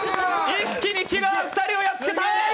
一気にキラー２人をやっつけた。